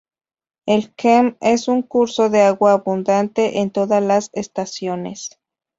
El Kem es un curso de agua abundante en todas las estaciones.